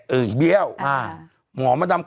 เบลล่าเบลล่าเบลล่า